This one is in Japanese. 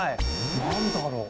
何だろう。